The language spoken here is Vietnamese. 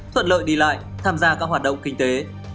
thuận lợi đi lại tham gia các hoạt động kinh tế